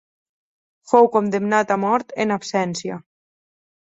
Fou condemnat a mort en absència.